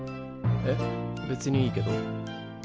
えっ別にいいけど。